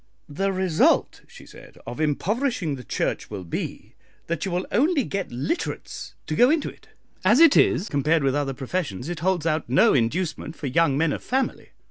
"The result," she said, "of impoverishing the Church will be, that you will only get literates to go into it; as it is, compared with other professions, it holds out no inducement for young men of family.